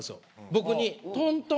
僕に。